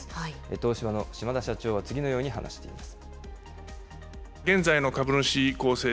東芝の島田社長は次のように話しています。